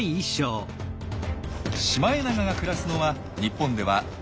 シマエナガが暮らすのは日本では北海道だけ。